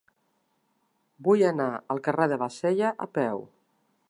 Vull anar al carrer de Bassella a peu.